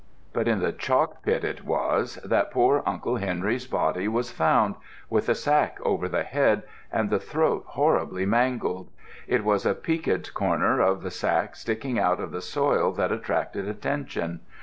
But in the chalk pit it was that poor Uncle Henry's body was found, with a sack over the head, the throat horribly mangled. It was a peaked corner of the sack sticking out of the soil that attracted attention.